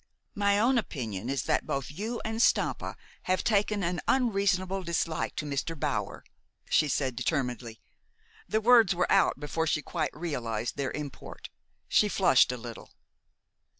"My own opinion is that both you and Stampa have taken an unreasonable dislike to Mr. Bower," she said determinedly. The words were out before she quite realized their import. She flushed a little.